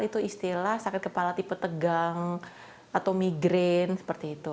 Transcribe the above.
itu istilah sakit kepala tipe tegang atau migrain seperti itu